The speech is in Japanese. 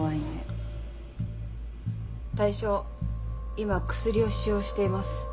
今薬を使用しています。